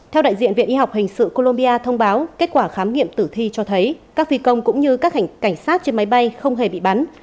theo đại diện viện y học hình sự colombia thông báo kết quả khám nghiệm tử thi cho thấy các phi công cũng như các cảnh sát trên máy bay không hề bị bắn